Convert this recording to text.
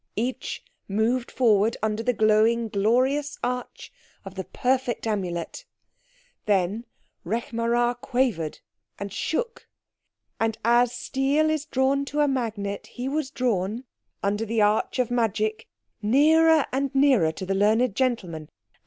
Each moved forward under the glowing, glorious arch of the perfect Amulet. Then Rekh marā quavered and shook, and as steel is drawn to a magnet he was drawn, under the arch of magic, nearer and nearer to the learned gentleman.